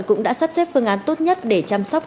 cũng đã sắp xếp phương án tốt nhất để chăm sóc